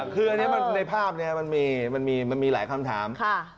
คืออันนี้ในภาพนี้มันมีหลายคำถาม